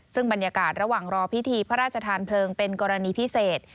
ซึ่งบรรยากาศระหว่างรอพิธีพระราชทานเพลิงเป็นกรณีพิเศษ